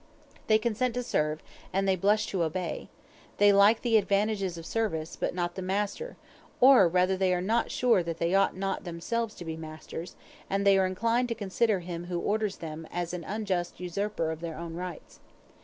They consent to serve, and they blush to obey; they like the advantages of service, but not the master; or rather, they are not sure that they ought not themselves to be masters, and they are inclined to consider him who orders them as an unjust usurper of their own rights.